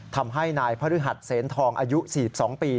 ทำให้นายพระฤหัสเซนทองอายุ๔๒ปี